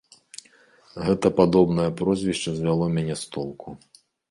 Гэта падобнае прозвішча звяло мяне з толку.